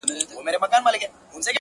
لوبي وې.